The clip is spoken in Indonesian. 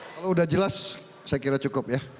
kalau sudah jelas saya kira cukup ya